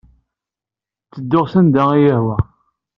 Ttedduɣ sanda ay iyi-yehwa.